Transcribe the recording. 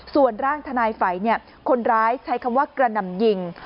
ส่วนร่างทนายฝัยคนร้ายใช้คำว่ากระหน่ำยิง